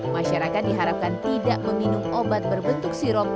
masyarakat diharapkan tidak meminum obat berbentuk sirup